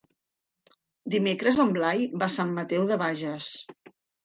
Dimecres en Blai va a Sant Mateu de Bages.